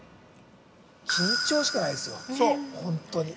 緊張しかないですよ、本当に。